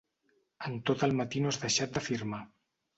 En tot el matí no has deixat de firmar.